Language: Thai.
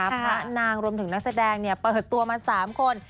พระนางรวมถึงนักแสดงเปิดตัวมา๓คน